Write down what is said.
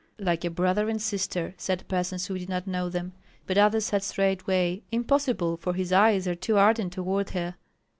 "Like a brother and sister," said persons who did not know them; but others said straightway, "Impossible, for his eyes are too ardent toward her."